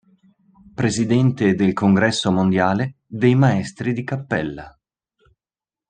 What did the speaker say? Presidente del Congresso Mondiale dei Maestri di Cappella.